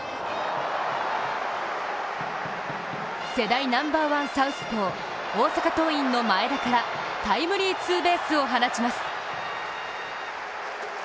世代ナンバーワンサウスポー、大阪桐蔭の前田からタイムリーツーベースを放ちます。